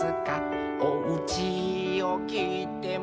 「おうちをきいても」